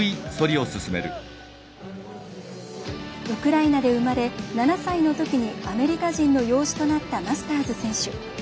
ウクライナで生まれ７歳のときにアメリカ人の養子となったマスターズ選手。